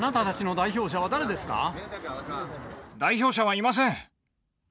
代表者はいません。